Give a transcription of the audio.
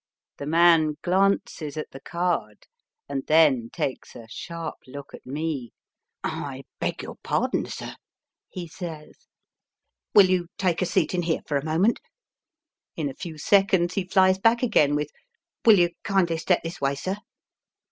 The man glances at the card, and then takes a sharp look at me. " I beg your pardon, sir," he says, " will you take a seat in here for a moment?" In a few seconds he flies back again with "Will you kindly step this way, sir?"